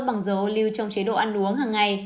bằng dầu lưu trong chế độ ăn uống hằng ngày